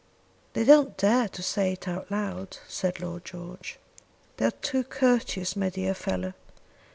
"They don't dare to say it out loud," said Lord George. "They are too courteous, my dear fellow."